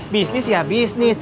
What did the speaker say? bisnis ya bisnis